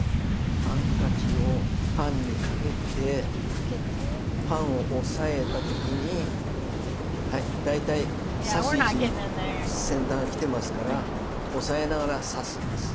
ハンカチをパンにかけてパンを押さえた時に大体刺す位置に先端がきてますから押さえながら刺すんです。